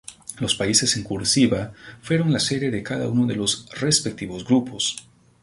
Los países en "cursiva" fueron la sede de cada uno de los respectivos grupos.